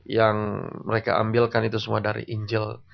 yang mereka ambilkan itu semua dari angel